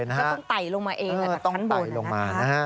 ก็ต้องไตลงมาเองต้องไตลงมาต้องไตลงมานะฮะ